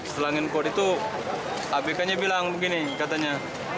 setelah angin kuat itu abk nya bilang gini katanya